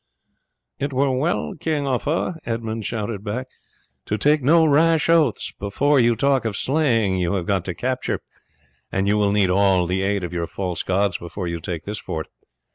"It were well, King Uffa," Edmund shouted back, "to take no rash oaths; before you talk of slaying you have got to capture, and you will need all the aid of your false gods before you take this fort.